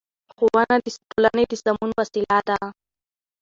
ښوونه د ټولنې د سمون وسیله ده